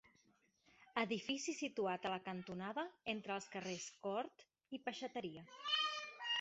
Edifici situat a la cantonada entre els carrers Cort i Peixateria.